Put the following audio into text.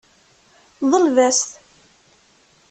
Ḍleb-as-t.